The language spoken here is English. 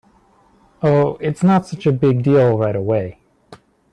Oh, it’s not such a big deal right away.